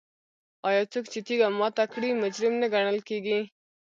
آیا څوک چې تیږه ماته کړي مجرم نه ګڼل کیږي؟